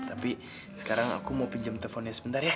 tapi sekarang aku mau pinjam teleponnya sebentar ya